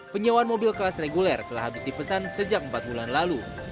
penyewaan mobil kelas reguler telah habis dipesan sejak empat bulan lalu